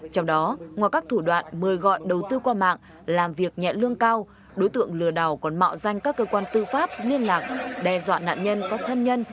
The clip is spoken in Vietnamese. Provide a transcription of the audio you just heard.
trong đó ngoài các thủ đoạn mời gọi đầu tư qua mạng làm việc nhẹ lương cao đối tượng lừa đảo còn mạo danh các cơ quan tư pháp liên lạc đe dọa nạn nhân có thân nhân